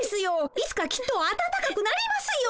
いつかきっとあたたかくなりますよ。